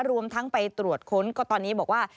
รวมทั้งไปตรวจค้นก็ตอนนี้บอกว่า